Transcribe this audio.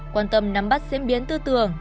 quan tâm nắm bắt diễn biến tư tưởng